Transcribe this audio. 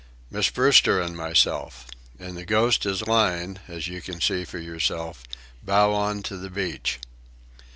"Miss Brewster and myself. And the Ghost is lying, as you can see for yourself, bow on to the beach."